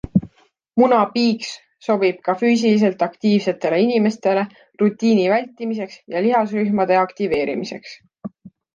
Munapiiks sobib ka füüsiliselt aktiivsetele inimestele rutiini vältimiseks ja lihasrühmade aktiveerimiseks.